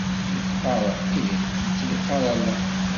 Nekk qqareɣ ih, netta yeqqar ala.